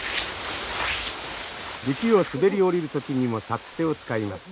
雪を滑り降りる時にもサッテを使います。